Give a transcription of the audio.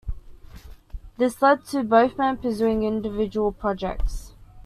This led to both men pursuing individual projects.